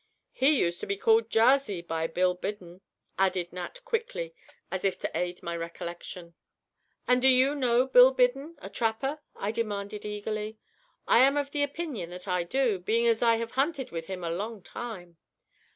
"He used to be called 'Jarsey' by Bill Biddon," added Nat, quickly, as if to aid my recollection. "And do you know Bill Biddon, a trapper?" I demanded, eagerly. "I am of the opinion that I do, being as I have hunted with him a long time."